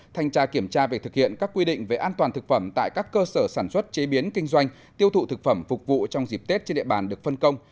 thanh tra kiểm tra về thực hiện các quy định về an toàn thực phẩm tại các cơ sở sản xuất chế biến kinh doanh tiêu thụ thực phẩm phục vụ trong dịp tết trên địa bàn được phân công